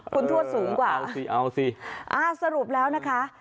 คุณทวดสูงกว่าเอาสิเอาสิอ่าสรุปแล้วนะคะ